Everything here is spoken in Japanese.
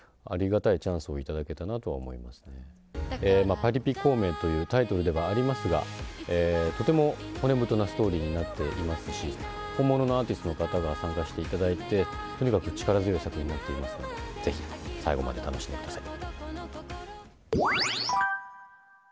「パリピ孔明」というタイトルではありますが骨太なストーリーになっていますし本物のアーティストの方々が参加していただいてとにかく力強い作品になっていますのでぜひ、最後まで楽しんでください。